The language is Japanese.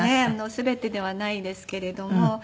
全てではないですけれども。